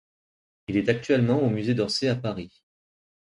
Il est actuellement au Musée d'Orsay à Paris.